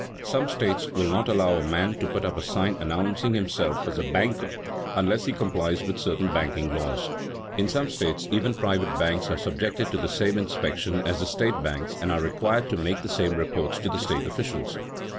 Some states will not allow a man to put up a sign announcing himself as a banker unless he complies with certain banking laws. In some states even private banks are subjected to the same inspection as the state banks and are required to make the same reports to the state officials.